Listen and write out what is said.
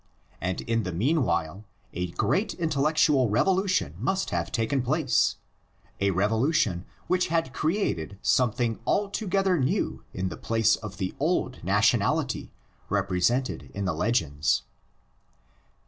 And in the meanwhile a great intellectual revolution must have taken place, — a revolution which had created something altogether new in the place of the old nationality represented in the legends.